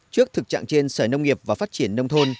trước thực trạng trên sở nông nghiệp và phát triển nông thôn